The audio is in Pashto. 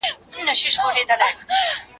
فقر بې مائې کسب دئ.